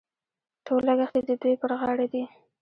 ټول لګښت یې د دوی پر غاړه دي.